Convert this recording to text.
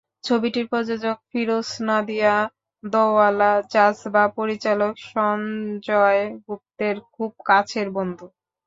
ছবিটির প্রযোজক ফিরোজ নাদিয়াদওয়ালা জাজবা পরিচালক সঞ্জয় গুপ্তের খুব কাছের বন্ধু।